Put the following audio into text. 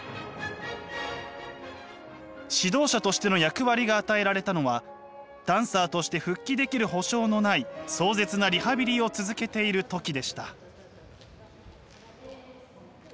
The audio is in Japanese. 指導者としての役割が与えられたのはダンサーとして復帰できる保証のない壮絶なリハビリを続けている時でした。